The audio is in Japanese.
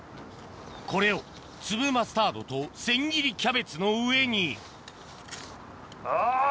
これを粒マスタードと千切りキャベツの上にあぁ！